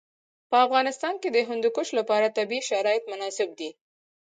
په افغانستان کې د هندوکش لپاره طبیعي شرایط مناسب دي.